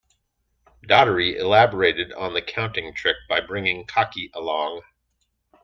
Daughtry elaborated on the counting trick by bringing Cocky along.